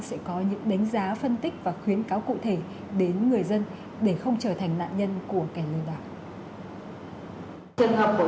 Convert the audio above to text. sẽ có những đánh giá phân tích và khuyến cáo cụ thể đến người dân để không trở thành nạn nhân của kẻ lừa đảo